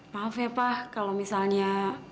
maaf ya pak kalau misalnya